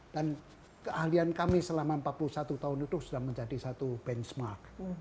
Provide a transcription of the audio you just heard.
dan keahlian kami selama empat puluh satu tahun itu sudah menjadi satu benchmark